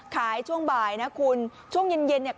ขายช่วงบ่ายนะคุณช่วงเย็นเนี่ย